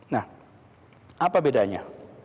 nah apa bedanya